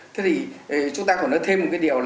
thế thì chúng ta còn nói thêm một cái điều là